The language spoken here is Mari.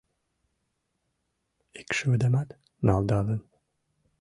Икшывыдамат налдалын